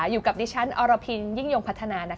อยู่กับดิฉันอรพินยิ่งยงพัฒนา